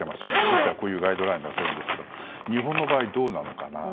ですから、こういうガイドラインを出せるんですけど日本の場合はどうなのかな。